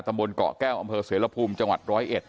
ตำบลเกาะแก้วอำเภอเสรียรภูมิจังหวัด๑๐๑